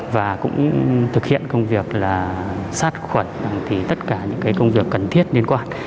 và cũng thực hiện công việc sát khuẩn tất cả những công việc cần thiết liên quan